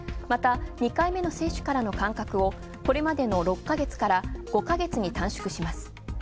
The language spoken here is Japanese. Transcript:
また２回目の接種の間隔を、これまでの６か月から５か月に短縮します。